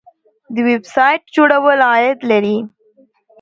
د ویب سایټ جوړول عاید لري